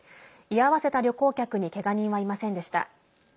居合わせた旅行客にけが人はいませんでした。